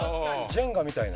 ジェンガみたいな。